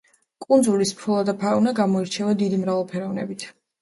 კუნძულის ფლორა და ფაუნა გამოირჩევა დიდი მრავალფეროვნებით.